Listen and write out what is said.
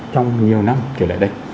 trong nhiều năm trở lại đây